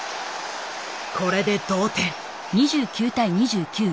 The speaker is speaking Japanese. これで同点。